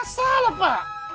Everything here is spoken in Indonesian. tak masalah pak